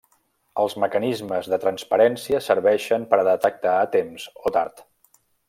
Els mecanismes de transparència serveixen per a detectar a temps o tard.